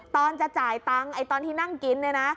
ตอนจะจ่ายตังค์ตอนที่นั่งกินเนี่ยนะ